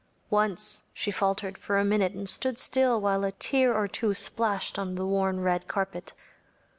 Once she faltered for a minute and stood still while a tear or two splashed on the worn red carpet.